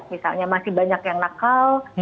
misalnya masih banyak yang nakal